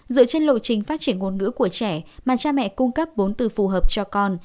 dựa trên lộ trình phát triển ngôn ngữ của trẻ mà cha mẹ cung cấp vốn từ phù hợp cho con